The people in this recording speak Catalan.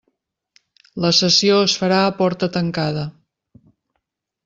La sessió es farà a porta tancada.